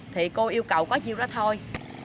thì cô yêu cầu có chiêu đó thôi